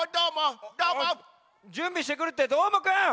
じゅんびしてくるってどーもくん！？